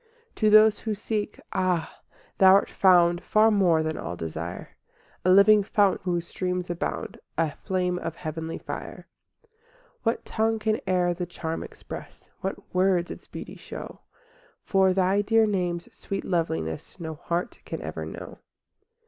IV To those who seek, ah! Thou art found Far more than all desire— A living fount whose streams abound, A flame of heavenly fire. V What tongue can e'er the charm express? What words its beauty show? For Thy dear name's sweet loveliness No heart can ever know.